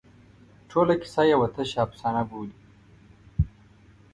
ټوله کیسه یوه تشه افسانه بولي.